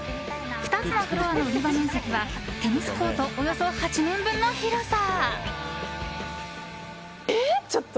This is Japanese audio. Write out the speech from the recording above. ２つのフロアの売り場面積はテニスコートおよそ８面分の広さ。